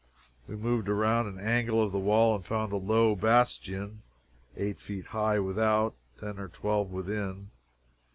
We moved around an angle of the wall and found a low bastion eight feet high without ten or twelve within.